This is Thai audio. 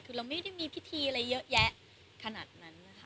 คือเราไม่ได้มีพิธีอะไรเยอะแยะขนาดนั้นนะคะ